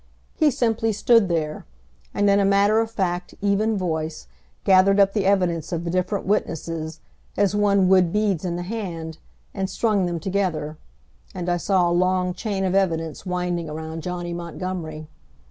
He simply stood there, and in a matter of fact, even voice gathered up the evidence of the different witnesses as one would beads in the hand, and strung them together; and I saw a long chain of evidence winding around Johnny Montgomery.